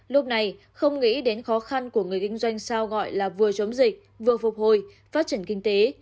lúc này không nghĩ đến khó khăn của người kinh doanh sao gọi là vừa chống dịch vừa phục hồi phát triển kinh tế